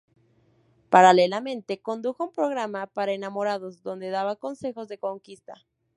Paralelamente condujo un programa para enamorados, donde daba consejos de conquista.